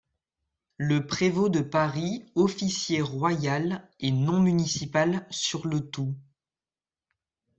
Le prévôt de Paris, officier royal et non municipal, sur le tout.